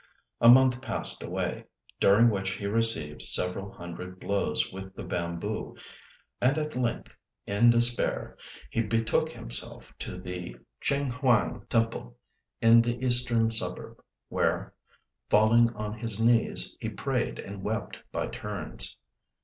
A month passed away, during which he received several hundred blows with the bamboo, and at length, in despair, he betook himself to the Ch'êng huang temple in the eastern suburb, where, falling on his knees, he prayed and wept by turns.